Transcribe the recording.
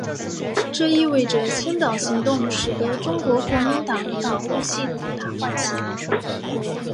这意味着清党行动使得中国国民党党务系统大换血。